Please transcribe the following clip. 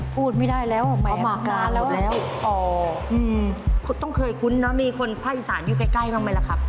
พูดไม่ได้แล้วออกมาการแล้วแล้วอ๋อต้องเคยคุ้นนะมีคนภาคอีสานอยู่ใกล้ใกล้บ้างไหมล่ะครับ